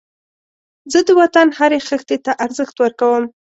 زه د وطن هرې خښتې ته ارزښت ورکوم